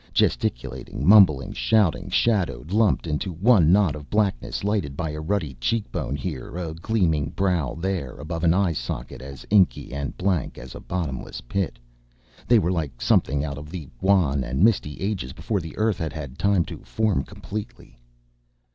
Gesticulating, mumbling, shouting, shadowed, lumped into one knot of blackness lighted by a ruddy cheekbone here, a gleaming brow there above an eye socket as inky and blank as a bottomless pit, they were like something out of the wan and misty ages before the Earth had had time to form completely.